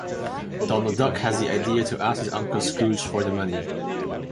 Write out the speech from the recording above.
Donald Duck has the idea to ask his Uncle Scrooge for the money.